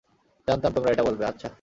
জানতাম, তোমরা এটা বলবে, আচ্ছা।